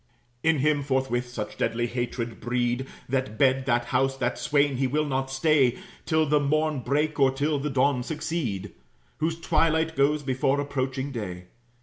In him, forthwith, such deadly hatred breed That bed, that house, that swain, he will not stay Till the morn break, or till the dawn succeed, Whose twilight goes before approaching day.